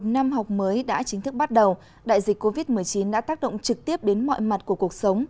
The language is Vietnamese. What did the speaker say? năm học mới đã chính thức bắt đầu đại dịch covid một mươi chín đã tác động trực tiếp đến mọi mặt của cuộc sống